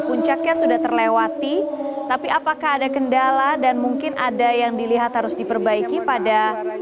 puncaknya sudah terlewati tapi apakah ada kendala dan mungkin ada yang dilihat harus diperbaiki pada